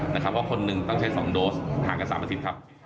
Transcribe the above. เพราะคนหนึ่งต้องใช้๒โดสห่างกัน๓อาทิตย์ครับ